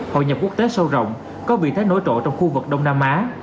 hội nhập quốc tế sâu rộng có vị thế nổi trội trong khu vực đông nam á